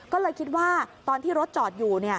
ก็เลยคิดว่าตอนที่รถจอดอยู่